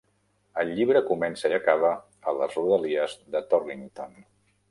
El llibre comença i acaba a les rodalies de Torrington.